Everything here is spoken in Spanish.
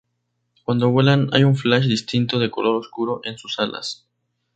Cuando vuelan, hay un flash distintivo de color oscuro en sus alas.